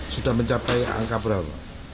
sudah mencapai angka berapa